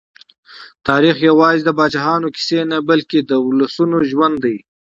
تاریخ یوازې د پاچاهانو کیسه نه، بلکې د ولسونو ژوند دی.